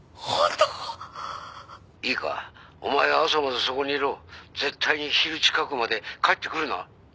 「いいかお前は朝までそこにいろ」「絶対に昼近くまで帰ってくるな」